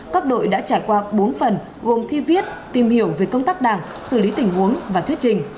các đội đã trải qua bốn phần gồm thi viết tìm hiểu về công tác đảng xử lý tình huống và thuyết trình